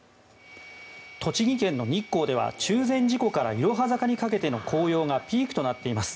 栃木県の日光では中禅寺湖からいろは坂にかけての紅葉がピークとなっています。